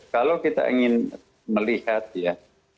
kalau kita ingin melihat ya